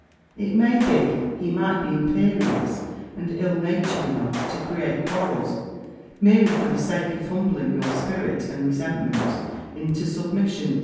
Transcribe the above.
It may be, he might be imperious and ill natured enough to create quarrels merely for the sake of humbling your spirit and resentment into submission.